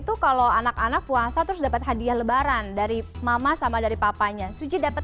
tuh kalau anak anak puasa terus dapat hadiah lebaran dari mama sama dari papanya suci dapat